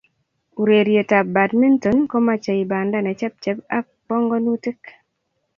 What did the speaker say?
Urerietab badminton ko mochei banda ne chep chep ak pongonutik